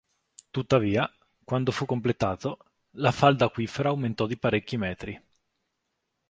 Tuttavia, quando fu completato, la falda acquifera aumentò di parecchi metri.